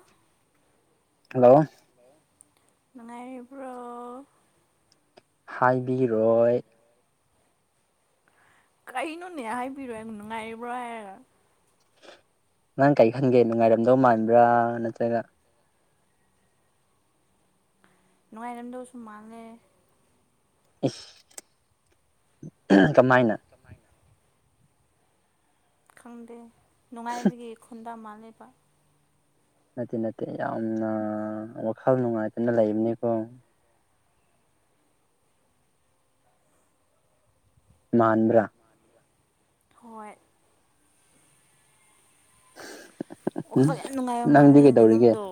ꯑ ꯍꯜꯂꯣ ꯃꯉꯕ꯭ꯔꯣ ꯍꯥꯏꯕꯤꯔꯣꯏ ꯀꯩꯅꯣꯅꯦ ꯍꯥꯏꯕꯤꯔꯣ ꯑꯩ ꯅꯨꯡꯉꯥꯏꯔꯤꯕ꯭ꯔꯣ ꯍꯥꯏꯔꯒ ꯅꯪ ꯀꯔꯤ ꯈꯟꯒꯦ ꯅꯨꯡꯉꯥꯏꯔꯝꯗꯧ ꯃꯥꯟꯕ꯭ꯔꯥ ꯅꯠꯇ꯭ꯔꯒ ꯅꯨꯡꯉꯥꯏꯔꯝꯗꯧꯁꯨ ꯃꯥꯜꯂꯦ ꯀꯃꯥꯏꯅ ꯈꯪꯗꯦ ꯅꯨꯡꯉꯥꯏꯕꯒꯤ ꯈꯨꯟꯗꯥ ꯃꯥꯜꯂꯤꯕ ꯅꯠꯇꯦ ꯅꯠꯇꯦ ꯌꯥꯝꯅ ꯋꯥꯈꯜ ꯅꯨꯡꯉꯥꯏꯇꯅ ꯂꯩꯕꯅꯤꯀꯣ ꯃꯥꯟꯕ꯭ꯔꯥ ꯍꯣꯏ ꯎꯝ ꯋꯥꯈꯜ ꯌꯥꯝ ꯅꯨꯡꯉꯥꯏꯕ ꯅꯪꯗꯤ ꯃꯥꯜꯂꯦꯅꯦ ꯀꯩꯗꯧꯔꯤꯒꯦ ꯅꯪꯗꯣ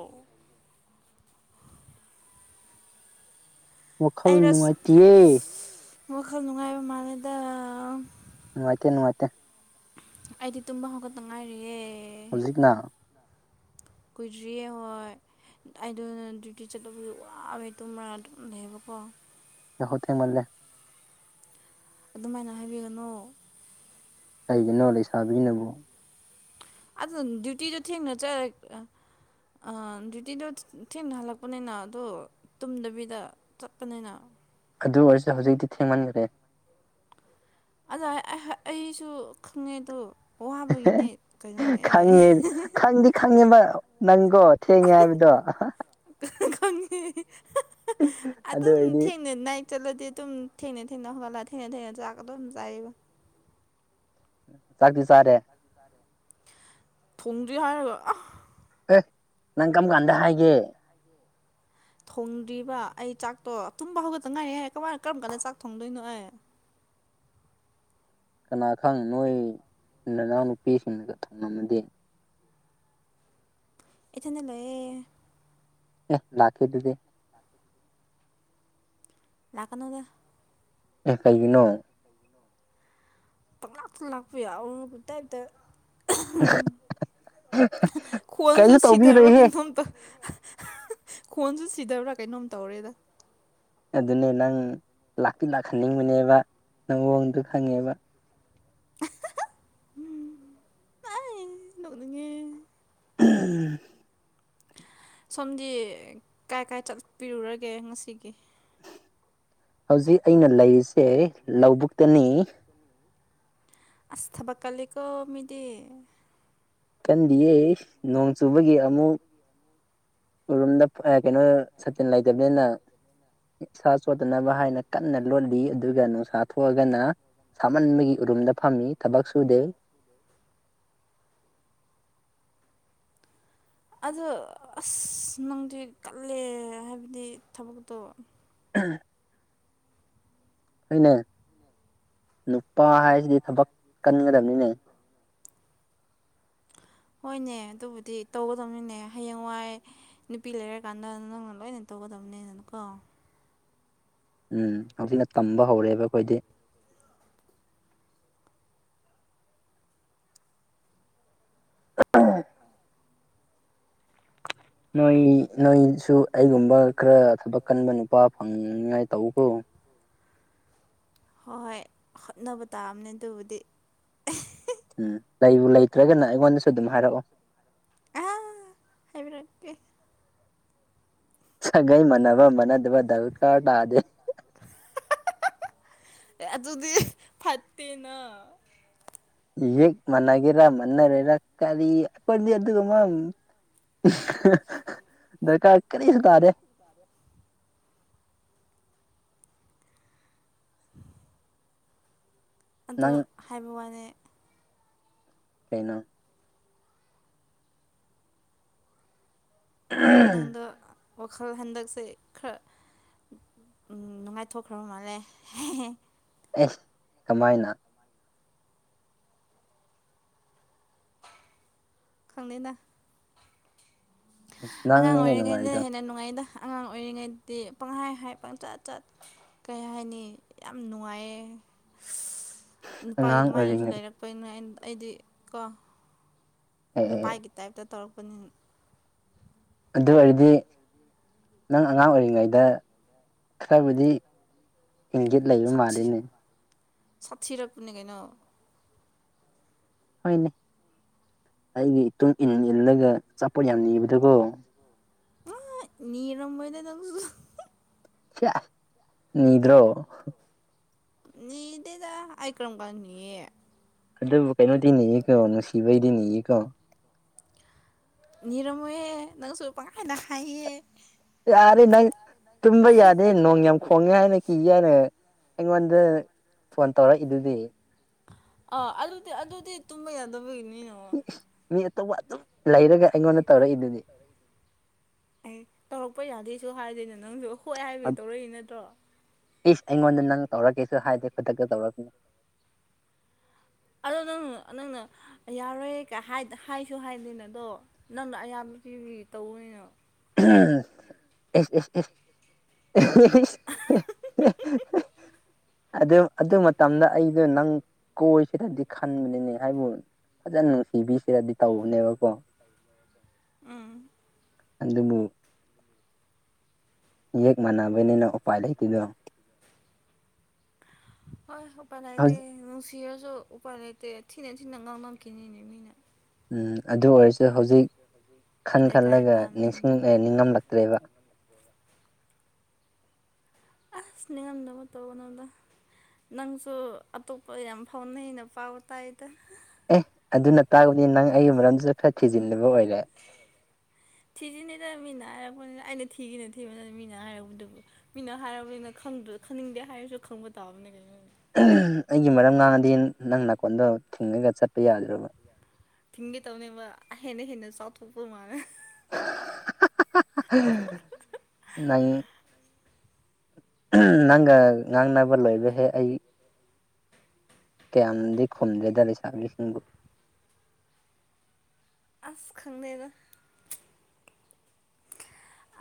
ꯋꯥꯈꯜ ꯑꯩꯔꯣ ꯑꯁ ꯅꯨꯡꯉꯥꯏꯇꯌꯦ ꯋꯥꯈꯜ ꯅꯨꯡꯉꯥꯏꯕ ꯃꯥꯥꯟꯜꯂꯦꯗ ꯃꯀꯦ ꯅꯨꯅꯨꯡ ꯃꯥꯀꯦ ꯑꯩꯗꯤ ꯇꯨꯝꯕ ꯍꯧꯒꯠ ꯅꯨꯡꯉꯥꯏꯔꯤꯌꯦꯦ ꯍꯧꯖꯤꯛꯅ ꯀꯨꯖꯔꯤꯌꯦ ꯍꯣꯏ ꯑꯩꯗ ꯗ꯭ꯌꯨꯇꯤ ꯆꯠꯂꯨꯕꯗꯨ ꯋꯥꯕꯦ ꯇꯨꯝꯃꯥ ꯑꯗꯨ ꯂꯩꯕꯀꯣ ꯌꯥꯣ ꯊꯦ ꯃꯜꯂꯦ ꯑꯗꯨꯃꯥꯏꯅ ꯍꯥꯏꯕꯤꯒꯅꯨ ꯀꯒꯤꯅꯣ ꯂꯩꯁꯥꯕꯤꯅꯕꯨ ꯑꯗꯨꯅ ꯗ꯭ꯌꯨꯇꯤꯗꯣ ꯊꯦꯡꯅ ꯆ ꯗ꯭ꯌꯨꯇꯤꯗꯣ ꯊꯦꯡꯅ ꯍꯜꯂꯛꯄꯅꯤꯅ ꯑꯗꯣ ꯇꯨꯝꯗꯕꯤꯗ ꯆꯠꯄꯅꯤꯅ ꯑꯗꯨ ꯑꯣꯏꯔꯁꯨ ꯍꯧꯖꯤꯛꯇꯤ ꯊꯦꯡꯃꯟꯈ꯭ꯔꯦ ꯑꯗꯨ ꯑꯩꯁꯨ ꯈꯪꯉꯦꯗꯣ ꯈꯪꯉꯦ ꯈꯪꯗꯤ ꯈꯪꯉꯦꯕ ꯑꯣ ꯊꯦꯡꯉꯦ ꯍꯥꯏꯕꯗꯣ ꯪꯉ ꯑꯗꯨ ꯑꯗꯨꯝ ꯑꯣꯏꯔꯗꯤ ꯊꯦꯡꯅ ꯅꯥꯏꯛ ꯆꯠꯂꯗꯤ ꯑꯗꯨꯝ ꯊꯦꯡꯅ ꯊꯦꯡꯅ ꯍꯒꯠꯂꯑꯦ ꯍꯦ ꯊ ꯆꯥꯀꯗꯅ ꯆꯏꯕ ꯆꯥꯛꯄꯤ ꯆꯔꯦ ꯐꯣꯡꯗ꯭ꯔꯤ ꯍꯥꯏꯔꯒ ꯑꯦ ꯅꯪ ꯀꯔꯝ ꯀꯥꯟꯗ ꯍꯥꯏꯒꯦ ꯊꯣꯡꯗ꯭ꯔꯤꯕ ꯑꯩ ꯆꯥꯛꯇꯣ ꯇꯨꯝꯕ ꯍꯧꯒꯠꯇ ꯉꯥꯏꯔ ꯀꯃꯥꯏꯅ ꯀꯔꯝ ꯀꯥꯟꯗ ꯆꯥꯛ ꯊꯣꯡꯗꯣꯏꯅꯣ ꯑꯩ ꯀꯅꯥ ꯈꯪ ꯅꯣꯏ ꯏ ꯏꯅꯥꯎꯅꯨꯄꯤꯁꯤꯡꯅꯒ ꯊꯝꯉꯝꯃꯗꯤ ꯏꯊꯅ ꯂꯣꯏꯑꯦ ꯑꯦ ꯂꯥꯛꯀꯦꯗꯨꯗꯤ ꯂꯥꯛꯀꯅꯅꯦ ꯂꯩ ꯀꯥꯏꯒꯤꯅꯣ ꯄ ꯂꯥꯛ ꯂꯥꯛꯄ ꯌꯥ ꯑꯇꯗ ꯎꯝ ꯈꯣꯟꯁꯨ ꯁꯤꯊꯔꯕ ꯀꯇꯣꯝꯇ ꯈꯣꯟꯁꯨ ꯁꯤꯗꯕ꯭ꯔꯥ ꯀꯩꯅꯣꯝ ꯇꯧꯔꯦꯗ ꯑꯗꯨꯅꯦ ꯅꯪ ꯂꯥꯛꯄꯤ ꯂꯥꯛꯍꯟꯅꯤꯡꯕꯅꯦꯕ ꯅꯪ ꯃꯑꯣꯡꯗꯨ ꯈꯪꯉꯦꯕ ꯎꯝ ꯑ ꯂꯣꯛꯅꯤꯡꯉꯦ ꯎꯝ ꯁꯣꯝꯗꯤ ꯀꯥꯏ ꯀꯥꯏ ꯆꯠꯄꯤꯔꯨꯔꯒꯦ ꯉꯁꯤꯒꯤ ꯍꯧꯖꯤꯛ ꯑꯩꯅ ꯂꯩꯔꯤꯁꯦ ꯂꯧꯕꯨꯛꯇꯅꯤ ꯑꯁꯊꯕꯀꯂꯤꯀꯣ ꯃꯤꯗꯤ ꯀꯟꯗꯤꯌꯦ ꯅꯣꯡ ꯆꯨꯕꯒꯤ ꯑꯃꯨꯛ ꯎꯨꯝꯗ ꯀꯩꯅꯣ ꯁꯇꯤꯟ ꯂꯩꯇꯕꯅꯤꯅ ꯏꯁꯥ ꯆꯣꯠꯇꯅꯕ ꯍꯥꯏꯅ ꯀꯟꯅ ꯂꯣꯂꯤ ꯑꯗꯨꯒ ꯅꯨꯡꯁꯥ ꯊꯣꯛꯑꯒꯅ ꯁꯥꯃꯟꯕꯒꯤ ꯎꯔꯨꯝꯗ ꯐꯝꯃꯤ ꯊꯕꯛ ꯁꯨꯗꯦ [unintelligible] ꯑꯗꯣ ꯑꯁ ꯅꯪꯗꯤ ꯀꯜꯂꯦ ꯍꯥꯏꯕꯗꯤ ꯊꯕꯛꯇꯣ ꯑꯥ ꯍꯅꯦ ꯅꯨꯄꯥ ꯍꯥꯏꯁꯤꯗꯤ ꯊꯕꯛ ꯀꯟꯒꯗꯕꯅꯤꯅꯦ [unintelligible] ꯍꯣꯏꯅꯦ ꯑꯗꯨꯕꯨꯗꯤ ꯇꯧꯒꯗꯕꯅꯤꯅꯦ ꯍꯌꯦꯡꯋꯥꯏ ꯅꯨꯄꯤ ꯂꯩꯔꯀꯥꯟꯗ ꯅꯪꯅ ꯂꯣꯏꯅ ꯇꯧꯒꯗꯕ ꯇꯧꯅꯦ ꯁꯅꯀꯣ ꯎꯝ ꯍꯧꯖꯤꯛꯅ ꯇꯝꯕ ꯍꯧꯔꯦꯕ ꯑꯩꯈꯣꯏꯗꯤ ꯑ ꯅꯣꯏ ꯅꯣꯏꯁꯨ ꯑꯩꯒꯨꯝꯕ ꯈꯔ ꯊꯕꯛ ꯀꯟꯕ ꯅꯨꯄꯥ ꯐꯪꯅꯤꯉꯥꯏ ꯇꯧꯕꯀꯣ ꯎ ꯍꯣꯏ ꯍꯣꯏ ꯍꯣꯠꯅꯕ ꯇꯥꯑꯝꯅꯦ ꯑꯗꯨꯕꯨꯗꯤ ꯎꯝ ꯂꯩꯕꯨ ꯂꯩꯇ꯭ꯔꯒꯅ ꯑꯩꯉꯣꯟꯗꯁꯨ ꯑꯗꯨꯝ ꯍꯥꯏꯔꯛꯑꯣ ꯑ ꯍꯥꯏꯕꯔꯦ ꯁꯒꯥꯏ ꯃꯅꯥꯕ ꯃꯅꯥꯗꯕ ꯗ ꯀꯥ ꯇꯗꯦ ꯑꯗꯨ ꯑꯗꯨꯗꯤ ꯐꯠꯇꯠꯇꯦꯅ ꯌꯦꯛ ꯃꯅꯥꯒꯦꯔ ꯃꯟꯅꯔꯦꯔ ꯀꯥꯔꯤꯄꯗꯤ ꯑꯗꯨꯒꯀꯃ ꯗꯔꯀꯥ ꯀꯔꯤꯁꯤ ꯇꯥꯔꯦ [inaudible] [unintelligible] ꯑꯗꯣ ꯅꯪ ꯍꯥꯏꯕ ꯋꯥꯅꯦ ꯂꯩꯩꯅ ꯅꯪꯗ ꯋꯥꯈꯜ ꯍꯟꯗꯛꯁꯦ ꯈꯔ ꯎꯝ ꯅꯨꯡꯉꯥꯏꯊꯣꯛꯈ꯭ꯔꯕ ꯃꯥꯜꯂꯦ ꯑꯦꯁ ꯀꯃꯥꯏꯅ ꯈꯪꯅꯅ ꯑꯉꯥꯡ ꯅꯪꯅꯤꯅꯦ ꯑꯣꯏꯔꯤꯉꯩꯗ ꯅꯨꯡꯉꯥꯏꯔꯤꯗꯣ ꯍꯦꯟꯅ ꯅꯨꯡꯉꯥꯏꯗ ꯑꯉꯥꯡ ꯑꯣꯏꯔꯤꯉꯩꯗꯤ ꯄꯪꯍꯥꯏ ꯍꯥꯏ ꯄꯪꯆꯠ ꯆꯠ ꯀꯩ ꯍꯥꯏꯅꯤ ꯌꯥꯝ ꯅꯨꯡꯉꯥꯏꯌꯦ ꯅꯨꯄꯥꯒꯤ ꯑꯉꯥꯡ ꯑꯗꯨꯃꯥꯏꯅꯁꯨ ꯑꯣꯏꯔꯤꯉꯩ ꯂꯩꯔꯛꯄꯩꯅ ꯑꯩꯗꯤ ꯀꯣ ꯑꯦ ꯑꯦ ꯅꯨꯄꯥꯥꯏꯒꯤ ꯇꯥꯏꯞꯇ ꯇꯧꯔꯛꯄꯅꯤ ꯑꯗꯨ ꯑꯣꯏꯔꯗꯤ ꯅꯪ ꯑꯉꯥꯡ ꯑꯣꯏꯔꯤꯉꯩꯗ ꯈꯔꯕꯨꯗꯤ ꯏꯪꯖꯤꯠ ꯂꯩꯕ ꯃꯥꯜꯂꯤꯅꯦ ꯁꯥꯔ ꯄꯨꯅꯤ ꯀꯩꯅꯧ ꯍꯅꯦ ꯑꯩꯒꯤ ꯏꯇꯨꯡ ꯏꯟ ꯏꯜꯂꯒ ꯑꯆꯥꯄꯣꯠ ꯌꯥꯝ ꯅꯤꯕꯗꯨꯀꯣ ꯑ ꯅꯔꯝꯝꯕꯣꯏꯗ ꯇꯉ ꯅꯤꯗ꯭ꯔꯣ ꯅꯗꯦꯗ ꯑꯥꯏꯀ꯭ꯔꯝꯒꯥꯟꯅꯤꯌꯦ ꯑꯗꯨꯕꯨ ꯀꯩꯅꯣꯗꯤ ꯅꯅꯤꯌꯦꯀꯣ ꯅꯨꯡꯁꯤꯕꯩꯗꯤ ꯅꯤꯌꯦꯀꯣ ꯔꯝꯨꯍꯦ ꯅꯪꯁꯨ ꯄꯈꯥꯏꯅ ꯈꯥꯏꯌꯦ ꯌꯥꯔꯦ ꯅꯪ ꯇꯨꯝꯕ ꯌꯥꯅꯤꯦ ꯅꯣꯡ ꯌꯥꯝ ꯈꯣꯡꯉꯦ ꯍꯥꯏꯅ ꯀꯤꯒꯦꯅ ꯑꯩꯉꯣꯟꯗ ꯐꯣꯟ ꯇꯧꯔꯛꯏꯗꯨꯗꯤ ꯑꯥ ꯑꯗꯨꯗꯤ ꯑꯗꯨꯗꯤ ꯇꯨꯝꯕ ꯌꯥꯗꯕꯒꯤꯅꯤꯅ ꯃꯤ ꯇꯣ ꯑꯩ ꯇꯧꯔꯛꯄ ꯌꯥꯗꯦꯁꯨ ꯍꯥꯏꯗꯣꯏꯅꯦ ꯅꯪꯁꯨ ꯍꯣꯏ ꯍꯥꯏꯕꯒꯤ ꯇꯧꯔꯛꯏ ꯅꯠꯇ꯭ꯔꯣ ꯄꯐ ꯑꯩꯉꯣꯟꯗ ꯅꯪ ꯇꯧꯔꯒꯦꯁꯨ ꯍꯥꯏꯗꯦ ꯑꯇ ꯇꯧ ꯑꯗꯣ ꯅꯪꯅ ꯅꯪꯅ ꯌꯥꯔꯣꯏ ꯍꯥꯏꯁꯨ ꯍꯥꯏꯗꯅ ꯑꯗꯣ ꯅꯪꯅ ꯑꯌꯥꯝꯕ ꯍꯧ ꯇꯧꯅ ꯑꯦ ꯑꯦ ꯑꯗ ꯑꯗꯨ ꯃ ꯃꯇꯝꯗ ꯑꯩꯗꯣ ꯅꯪ ꯀꯣꯆ ꯁꯤꯗꯗꯤ ꯈꯟꯕꯅꯤꯅꯦ ꯍꯥꯏꯕꯨ ꯐꯖꯅ ꯅꯨꯡꯁꯤꯕꯤꯁꯤꯔꯗꯤ ꯇꯧꯕꯅꯦꯕꯀꯣ ꯎꯝ ꯑꯗꯨꯕꯨ ꯌꯦꯛ ꯃꯥꯟꯅꯕꯅꯤꯅ ꯎꯄꯥꯏ ꯂꯩꯇꯗꯣ ꯍꯣꯏ ꯎꯄꯥꯏ ꯂꯩꯇꯦ ꯍꯧꯖꯤꯛ ꯅꯨꯡꯁꯤꯔꯁꯨ ꯎꯄꯥꯏ ꯂꯩꯇꯦ ꯊꯤꯅ ꯊꯤꯅ ꯉꯥꯡꯃꯝꯈꯤꯅꯤꯅꯦ ꯃꯤꯅ ꯎꯝ ꯑꯗꯨ ꯑꯣꯏꯔꯁꯨ ꯁꯨ ꯍꯧꯖꯤꯛ ꯈꯟ ꯂꯩꯀꯥꯏ ꯈꯜꯂꯒ ꯅꯤꯡꯁꯤꯡ ꯄꯥꯟꯕꯅꯤꯅ ꯅꯤꯡꯉꯝꯂꯛꯇ꯭ꯔꯦꯕ ꯑꯁꯁꯅꯦꯌꯥꯝꯗ ꯇꯅꯣꯗ ꯅꯪꯁꯨ ꯑꯇꯣꯞꯄ ꯌꯥꯝ ꯐꯥꯎꯅꯩꯅ ꯄꯥꯎ ꯇꯥꯏ ꯑꯦ ꯑꯗꯨꯅ ꯇꯥꯕꯅꯤ ꯅꯪ ꯑꯩꯒꯤ ꯃꯔꯝꯗꯨꯁꯨ ꯈꯔ ꯊꯤꯖꯤꯟꯂꯕ ꯑꯣꯏꯔꯦ ꯊꯤꯖꯤꯅꯤꯗꯅ ꯃꯤꯅ ꯍꯥꯏꯔꯛꯄꯅꯤꯅ ꯑꯩꯅ ꯊꯤꯒꯤꯅ ꯊꯤꯕꯅꯤꯅ ꯃꯤꯅ ꯍꯥꯏꯔꯛꯄꯗꯨꯕꯨ ꯃꯤꯅ ꯍꯥꯏꯔꯔꯕꯅꯤꯅ ꯈ ꯈꯪꯅꯤꯡꯗꯦ ꯍꯥꯏꯔꯁꯨ ꯈꯪꯕ ꯇꯥꯕꯅꯦ ꯀꯩꯅꯣ ꯑꯩꯒꯤ ꯃꯔꯝ ꯉꯥꯡꯉꯗꯤ ꯅꯪ ꯅꯥꯀꯣꯟꯗꯣ ꯊꯤꯡꯉꯒ ꯆꯠꯄ ꯌꯥꯗ꯭ꯔꯕ ꯊꯤꯡꯒꯦ ꯇꯧꯅꯦꯕ ꯍꯦꯟꯅ ꯍꯦꯟꯅ ꯆꯥꯎꯊꯣꯛꯄ ꯃꯥꯜꯂꯦ ꯅꯪ ꯅꯪ ꯉꯥꯡꯅꯕ ꯂꯣꯏꯕꯍꯦ ꯑꯩ ꯀꯌꯥꯝꯗꯤ ꯈꯨꯝꯗꯦꯗ ꯂꯩꯁꯥꯕꯤꯁꯤꯡꯕꯨ ꯑꯁ ꯈꯪꯅꯅ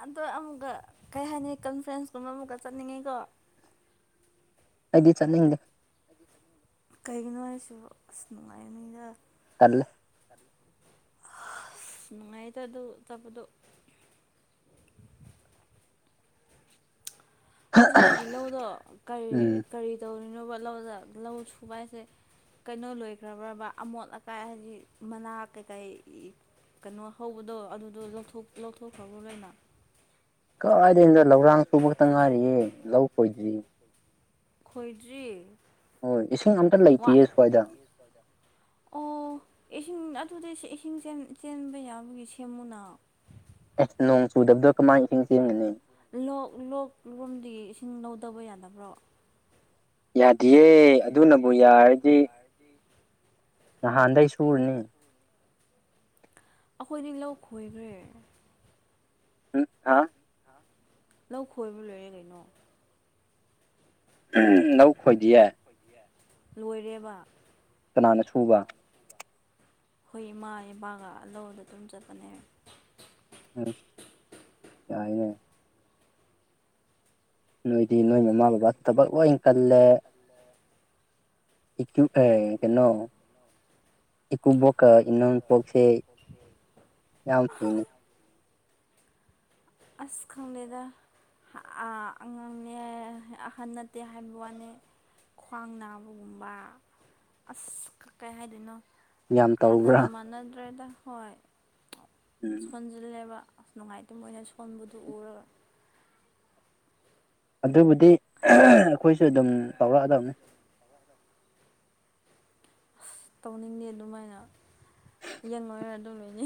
ꯑꯗꯣ ꯑꯃꯨꯛꯀ ꯀꯩ ꯍꯥꯏꯅꯤ ꯀꯟꯐ꯭ꯔꯦꯟꯁꯀꯨꯝꯕ ꯑꯃꯨꯛꯀ ꯆꯠꯅꯤꯡꯉꯤꯀꯣ ꯑꯩꯗꯤ ꯆ ꯍꯗ ꯀꯩꯒꯤꯅꯣ ꯍꯥꯏꯁꯨ ꯑꯁ ꯅꯨꯡꯉꯥꯏ ꯅꯨꯗ ꯇꯜꯂꯦ ꯅꯨꯡꯉꯥꯏꯇ ꯑꯗꯨ ꯇꯕꯗꯣ ꯑꯗꯨ ꯅꯒꯤ ꯂꯧꯗꯣꯔꯤ ꯎꯝ ꯀꯔꯤ ꯇꯧꯔꯤꯅꯣꯕ ꯂꯧꯗ ꯂꯧ ꯁꯨꯕ ꯍꯥꯏꯁꯦ ꯀꯩꯅꯣ ꯂꯣꯏꯈ꯭ꯔꯕ꯭ꯔꯕ ꯑꯃꯣꯠ ꯑꯀꯥꯏ ꯍꯥꯏꯗꯤ ꯃꯅꯥ ꯀꯩꯀꯩ ꯀꯩꯅꯣ ꯍꯧꯕꯗꯣ ꯑꯗꯨꯗꯣ ꯂꯧꯊꯣꯛꯈ꯭ꯔꯕꯅ ꯀꯥꯏꯗꯗꯣ ꯂꯧꯔꯥꯡ ꯁꯨꯕ ꯈꯛꯇ ꯉꯥꯏꯔꯤꯌꯦꯦ ꯂꯧ ꯈꯣꯏꯗ꯭ꯔꯤ ꯈꯣꯏꯗ꯭ꯔꯤ ꯍꯣꯏ ꯏꯁꯤꯡ ꯑꯝꯇ ꯋꯥ ꯂꯩꯇꯤꯌꯦ ꯁ꯭ꯋꯥꯏꯗ ꯑꯣ ꯏꯁꯤꯡ ꯑꯗꯨꯗꯩ ꯏꯁꯤꯡ ꯆꯦꯟꯕ ꯌꯥꯕꯒꯤ ꯁꯦꯃꯨꯅꯥ ꯑꯁ ꯅꯣꯡ ꯆꯨꯗꯕꯗꯣ ꯀꯃꯥꯏꯅ ꯏꯁꯤꯡ ꯆꯦꯟꯒꯅꯤ ꯂꯣꯛ ꯂꯣꯛ ꯂꯣꯝꯗꯤ ꯏꯁꯤꯡ ꯂꯧꯗꯕ ꯌꯥꯗꯕ꯭ꯔꯣ ꯌꯥꯗꯌꯦꯦ ꯑꯗꯨꯅꯕꯨ ꯌꯥꯔꯗꯤ ꯅꯍꯥꯟꯗꯒꯤꯩ ꯁꯨꯔꯅꯤ ꯑꯩꯈꯣꯏꯗꯤ ꯂꯧ ꯈꯣꯏꯈ꯭ꯔꯦ ꯎꯝ ꯍꯥ ꯂꯧ ꯈꯣꯏꯕ ꯂꯣꯏꯔꯦ ꯀꯩꯅꯣ ꯎꯝ ꯂꯧ ꯈꯣꯏꯗꯤꯌꯦ ꯂꯣꯏꯔꯦꯕ ꯀꯅꯥꯅ ꯁꯨꯕ ꯍꯣꯏ ꯏꯃꯥ ꯏꯄꯥꯒ ꯂꯧꯗ ꯑꯗꯨꯝ ꯆꯠꯄꯅꯦ ꯑ ꯌꯥꯏꯅꯦ ꯅꯣꯏꯗꯤ ꯅꯣꯏ ꯃꯃꯥ ꯕꯕꯥꯗꯨ ꯊꯕꯛ ꯂꯣꯏ ꯀꯜꯂꯦ ꯏꯀ ꯑꯦ ꯀꯩꯅꯣ ꯏꯀꯨꯞꯕꯣꯛ ꯏꯅꯣꯄꯣꯛꯁꯦ ꯌꯥꯝ ꯐꯩꯅꯦ ꯑꯁ ꯈꯪꯂꯗ ꯑꯉꯥꯡꯅꯦ ꯑꯍꯟ ꯅꯠꯇꯦ ꯍꯥꯏꯕ ꯋꯥꯅꯤ ꯈ꯭ꯋꯥꯡ ꯅꯥꯕꯒꯨꯝꯕ ꯑꯁ ꯀꯩ ꯍꯥꯏꯗꯣꯏꯅꯣ ꯌꯥꯝ ꯇꯧꯕ꯭ꯔꯥ ꯍꯥꯟꯅꯒ ꯃꯥꯟꯅꯗ꯭ꯔꯦꯗ ꯍꯣꯏ ꯎꯝ ꯁꯣꯟꯖꯤꯜꯂꯦꯕ ꯑꯁ ꯅꯨꯡꯉꯥꯏꯇꯕ ꯑꯣꯏꯅ ꯁꯣꯟꯕꯗꯨ ꯎꯔꯒ ꯑꯗꯨꯕꯨꯗꯤ ꯑꯩꯈꯣꯏꯁꯨ ꯑꯗꯨꯝ ꯇꯧꯔꯛꯑꯗꯕꯅꯤ ꯑꯁ ꯇꯧꯅꯤꯡꯗꯦ ꯑꯗꯨꯃꯥꯏꯅ ꯌꯦꯪꯉꯣꯏꯔ ꯑꯗꯨꯝ ꯂꯣꯏꯅꯤ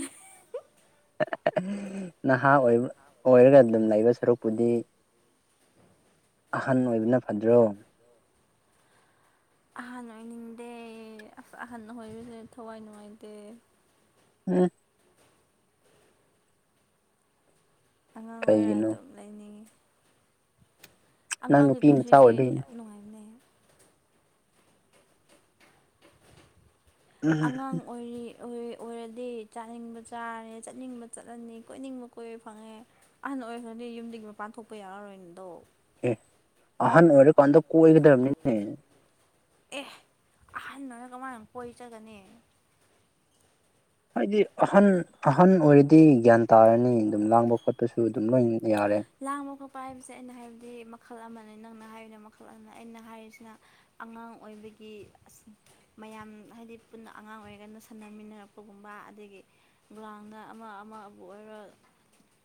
ꯅꯍꯥ ꯑꯣꯏ ꯑꯣꯏꯔꯒ ꯑꯗꯨꯝ ꯂꯩꯕ ꯁꯔꯨꯛꯄꯨꯗꯤ ꯑꯍꯟ ꯑꯣꯏꯕꯅ ꯐꯗ꯭ꯔꯣ ꯑꯍꯟ ꯑꯣꯏꯅꯤꯡꯗꯦ ꯑꯁ ꯑꯍꯟ ꯑꯣꯏꯕꯁꯦ ꯊꯋꯥꯏ ꯅꯨꯡꯉꯥꯏꯇꯦ ꯎꯝ ꯑꯉꯥꯡ ꯑꯣꯏꯔ ꯀꯩꯒꯤꯅꯣ ꯑꯗꯨꯝ ꯂꯩꯅꯤꯡꯉꯤ ꯅꯪ ꯑꯉꯥꯡꯒꯤ ꯅꯨꯄꯤ ꯃꯆꯥ ꯄꯨꯟꯁꯤꯁꯦ ꯑꯣꯏꯕꯒꯤꯅꯤ ꯌꯥꯝ ꯅꯨꯡꯉꯥꯏꯕꯅꯦ ꯎꯝ ꯑꯉꯥꯡ ꯑꯣꯏꯔꯤ ꯑꯣꯏꯔꯗꯤ ꯆꯥꯅꯤꯡꯕ ꯆꯥꯔꯦ ꯆꯠꯅꯤꯡꯕ ꯆꯠꯂꯅꯤ ꯀꯣꯏꯅꯤꯡꯕ ꯀꯣꯏꯕ ꯐꯪꯉꯦ ꯑꯍꯟ ꯑꯣꯏ ꯈꯪꯗꯦ ꯌꯨꯝꯗꯒꯤ ꯃꯄꯥꯟ ꯊꯣꯛꯄ ꯌꯥꯔꯔꯣꯏꯅꯗꯣ ꯑꯦ ꯑꯍꯟ ꯑꯣꯏꯔꯀꯥꯟꯗ ꯀꯣꯏꯒꯗꯕꯅꯤꯅꯦ ꯑꯦ ꯑꯍꯟꯅꯅ ꯀꯃꯥꯏꯅ ꯀꯣꯏꯆꯒꯅꯤ ꯍꯥꯏꯗꯤ ꯑꯍꯟ ꯑꯍꯟ ꯑꯣꯏꯔꯤꯗꯤ ꯁꯤ ꯒ꯭ꯌꯥꯟ ꯇꯥꯔꯅꯤ ꯑꯗꯨꯝ ꯂꯥꯡꯕ ꯈꯣꯠꯄꯁꯨ ꯑꯗꯨꯝ ꯂꯣꯏ ꯌꯥꯔꯦ ꯂꯥꯡꯕ ꯈꯛꯠꯄ ꯍꯥꯏꯕꯁꯦ ꯑꯩꯅ ꯍꯥꯏꯕꯗꯤ ꯃꯈꯜ ꯑꯃꯅꯤꯅꯦꯅ ꯅꯪꯅ ꯍꯥꯏꯔꯤꯅ ꯃꯈꯜ ꯑꯗꯨ ꯑꯩꯅ ꯍꯥꯏꯔꯤꯁꯤꯅ ꯑꯉꯥꯡ ꯑꯣꯏꯕꯒꯤ ꯃꯌꯥꯝ ꯍꯥꯏꯗꯤ ꯄꯨꯟꯅ ꯑꯉꯥꯡ ꯑꯣꯏꯔꯒꯅ ꯁꯥꯟꯅꯃꯤꯟꯅꯔꯛꯄꯒꯨꯝꯕ ꯑꯗꯒꯤ ꯒ꯭ꯔꯥꯎꯟꯗ ꯑꯃ ꯑꯃ ꯑꯗꯨꯕꯨ ꯑꯣꯏꯔꯣ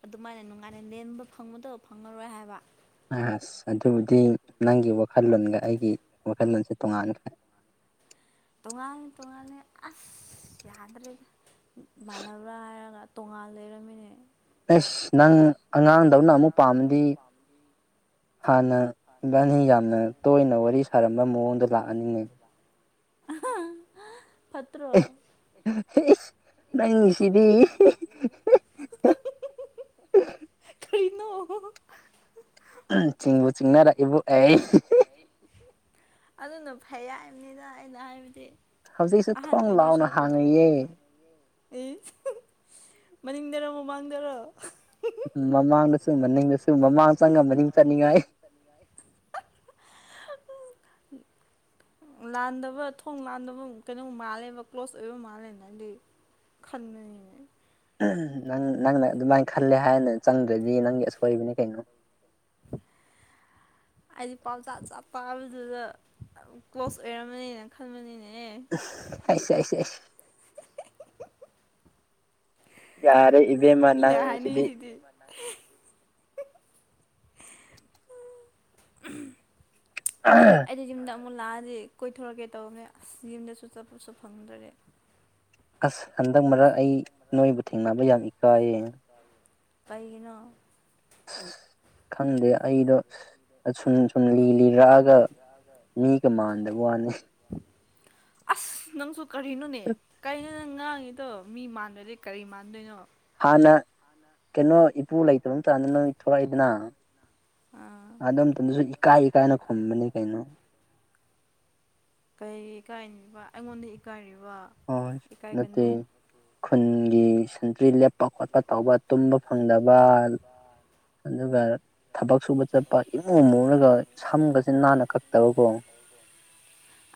ꯑꯗꯨꯃꯥꯏꯅ ꯅꯨꯡꯉꯥꯏꯅ ꯂꯦꯟꯕ ꯐꯪꯕꯗꯕ ꯐꯪꯉꯔꯣꯏ ꯍꯥꯏꯕ ꯑꯁ ꯑꯗꯨꯕꯨꯗꯤ ꯅꯪꯒꯤ ꯋꯥꯈꯜꯂꯣꯟꯒ ꯑꯩꯒꯤ ꯋꯥꯈꯜꯂꯣꯟꯁꯦ ꯇꯣꯉꯥꯟꯅꯈ꯭ꯔꯦ [unintelligible] ꯇꯣꯉꯥꯟꯅꯤ ꯇꯣꯉꯥꯅꯤ ꯑꯁ ꯌꯥꯗ꯭ꯔꯦ ꯃꯥꯟꯅꯕ꯭ꯔꯥ ꯍꯥꯏꯔꯒ ꯇꯣꯉꯥꯟꯅ ꯂꯩꯔꯝꯃꯤꯅꯦ ꯑꯦꯁ ꯅꯪ ꯑꯉꯥꯡꯗꯧꯅ ꯑꯃꯨꯛ ꯄꯥꯝꯃꯗꯤ ꯍꯥꯟꯅ ꯏꯕꯥꯅꯤ ꯌꯥꯝꯅ ꯇꯣꯏꯅ ꯋꯥꯔꯤ ꯁꯥꯔꯝꯕ ꯃꯑꯣꯡꯗ ꯂꯥꯛꯑꯅꯤꯡꯉꯦ ꯄꯠꯇ꯭ꯔꯣ ꯅꯪ ꯁꯤꯗꯤ ꯅ ꯆꯤꯡꯕꯨ ꯆꯤꯡꯅꯔ ꯑꯗꯨꯅ ꯐꯩ ꯍꯥꯏꯕꯅꯤꯅ ꯑꯩꯅ ꯍꯥꯏꯕꯗꯤ ꯍꯧꯖꯤꯛꯁꯨ ꯑꯍꯟ ꯊꯣꯡ ꯂꯥꯎꯅ ꯍꯥꯡꯉꯛꯌꯦ ꯑꯦ ꯃꯅꯤꯡꯗꯔ ꯃꯃꯥꯡꯗꯔꯣ ꯎꯝ ꯃꯃꯥꯡꯗꯁꯨ ꯃꯅꯤꯡꯗꯁꯨ ꯃꯃꯥꯡ ꯆꯪꯉ ꯃꯅꯤꯡ ꯆꯠꯅꯤꯡꯉꯥꯏ ꯎꯝ ꯂꯥꯟꯗꯕ ꯊꯣꯡ ꯂꯥꯟꯗꯕ ꯀꯩꯅꯣꯝ ꯃꯥꯜꯂꯦꯕ ꯀ꯭ꯂꯣꯖ ꯑꯣꯏꯕ ꯃꯥꯜꯂꯦꯅ ꯍꯥꯏꯗꯤ ꯈꯃꯦꯅꯦ ꯅꯪ ꯅꯪꯅ ꯑꯗꯨꯃꯥꯏꯅ ꯈꯜꯂꯦ ꯍꯥꯏꯅ ꯆꯪꯗ꯭ꯔꯗꯤ ꯅꯪꯒꯤ ꯑꯁꯣꯏꯕꯅꯤ ꯀꯩꯅꯣ [unintelligible] ꯑꯩꯗꯤ ꯄꯥꯎ ꯆꯥ ꯆꯥ ꯄꯥꯕꯗꯨꯗ ꯀ꯭ꯂꯣꯖ ꯑꯣꯏꯔꯝꯃꯅꯤꯅ ꯈꯟꯕꯅꯤꯅꯦ ꯑꯁ ꯑꯁ ꯌꯥꯔꯦ ꯏꯕꯦ ꯃꯥ ꯃꯤꯅ ꯅꯪꯁꯤꯗꯤ ꯍꯥꯏꯅꯩꯁꯤꯗꯤ ꯑꯩꯗꯤ ꯌꯨꯝꯗ ꯑꯃꯨꯛ ꯂꯥꯛꯑꯗꯤ ꯀꯣꯏꯊꯣꯔꯛꯀꯦ ꯇꯧꯕꯅꯦ ꯑꯁ ꯌꯨꯝꯗꯁꯨ ꯆꯠꯄꯁꯨ ꯐꯪꯗ꯭ꯔꯦ ꯑꯁ ꯍꯟꯗꯛ ꯃꯔꯛ ꯑꯩ ꯅꯣꯏꯕꯨ ꯊꯦꯡꯅꯕ ꯌꯥꯝ ꯏꯀꯥꯏꯌꯦ ꯄꯩꯅ ꯑ ꯈꯪꯗꯦ ꯑꯩꯗꯣ ꯑꯁꯨꯝ ꯁꯨꯝ ꯂꯤ ꯂꯤꯔꯛꯑꯒ ꯃꯤ ꯀꯃꯥꯟꯗꯕꯣ ꯑꯅꯤ ꯑꯁ ꯅꯪꯁꯨ ꯀꯔꯤꯅꯣꯅꯦ ꯀꯅꯣ ꯅꯪ ꯉꯥꯡꯉꯤꯗꯣ ꯃꯤ ꯃꯥꯟꯗꯗꯤ ꯀꯔꯤ ꯃꯥꯟꯗꯣꯏꯅꯣ ꯍꯥꯟꯅ ꯀꯩꯅꯣ ꯏꯄꯨ ꯂꯩꯇꯕ ꯃꯇꯝꯇꯗ ꯅꯣꯏ ꯊꯣꯛꯂꯛꯏꯗꯅ ꯑꯥ ꯑꯗꯨꯗꯣꯝ ꯃꯇꯝꯗꯁꯨ ꯏꯀꯥꯏ ꯏꯀꯥꯏꯅ ꯈꯨꯝꯕꯅꯤ ꯀꯩꯅꯣ ꯀꯩ ꯏꯀꯥꯏꯅꯤꯕ ꯑꯩꯉꯣꯟꯗ ꯏꯀꯥꯏꯔꯤꯕ ꯍꯣꯏ ꯅꯠꯇꯦ ꯏꯀꯥꯏꯒꯅꯨ ꯈꯨꯟꯒꯤ ꯭ꯔꯤ ꯂꯦꯞꯄ ꯈꯣꯠꯄ ꯇꯧꯕ ꯇꯨꯝꯕ ꯐꯪꯗꯕ ꯑꯗꯨꯒ ꯊꯕꯛ ꯁꯨꯕ ꯆꯠꯄ ꯏꯃꯨꯡ ꯑꯃꯨꯔꯒ ꯁꯝꯒꯁꯦ ꯅꯥꯟꯅ ꯀꯛꯇꯕꯀꯣ [unintelligible]